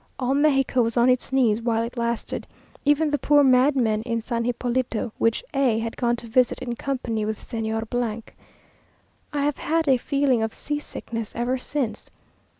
All Mexico was on its knees while it lasted, even the poor madmen in San Hepolito, which A had gone to visit in company with Señor . I have had a feeling of sea sickness ever since.